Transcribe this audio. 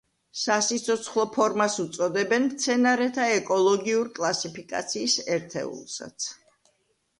სასიცოცხლო ფორმას უწოდებენ მცენარეთა ეკოლოგიურ კლასიფიკაციის ერთეულსაც.